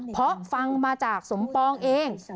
เพราะฟังมาจากสมปองเอง